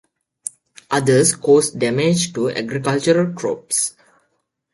Others cause damage to agricultural crops.